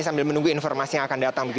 sambil menunggu informasi yang akan datang